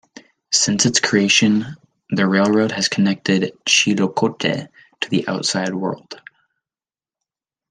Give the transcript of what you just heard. Since its creation the railroad has connected Chillicothe to the outside world.